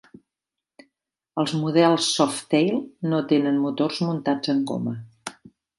Els models Softail no tenen motors muntats en goma.